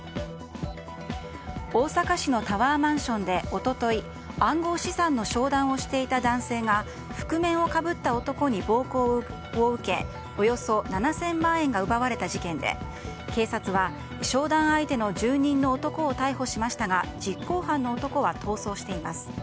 大阪市のタワーマンションで一昨日暗号資産の商談をしていた男性が覆面をかぶった男に暴行を受けおよそ７０００万円が奪われた事件で警察は商談相手の住人の男を逮捕しましたが実行犯の男は逃走しています。